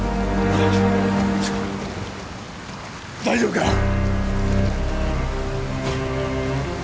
大丈夫か？